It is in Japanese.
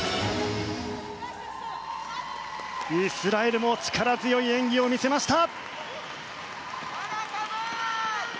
イスラエルも力強い演技を見せました！